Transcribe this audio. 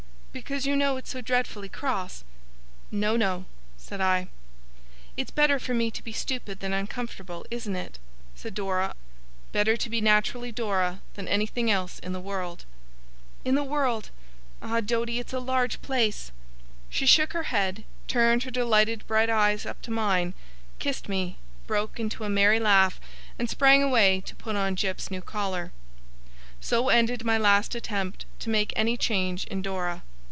Because you know it's so dreadfully cross!' 'No, no,' said I. 'It's better for me to be stupid than uncomfortable, isn't it?' said Dora. 'Better to be naturally Dora than anything else in the world.' 'In the world! Ah, Doady, it's a large place!' She shook her head, turned her delighted bright eyes up to mine, kissed me, broke into a merry laugh, and sprang away to put on Jip's new collar. So ended my last attempt to make any change in Dora.